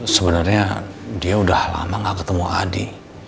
sebenarnya dia udah lama gak ketemu adi